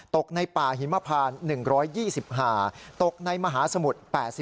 ตกในป่าหิมพาน๑๒๕ตกในมหาสมุทร๘๔